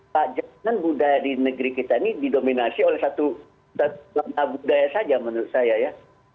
jadi jangan budaya di negeri kita ini didominasi oleh satu budaya saja menurut saya ya